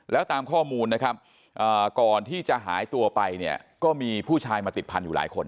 แล้วตามข้อมูลนะครับก่อนที่จะหายตัวไปเนี่ยก็มีผู้ชายมาติดพันธุ์อยู่หลายคน